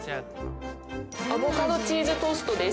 アボカドチーズトーストです。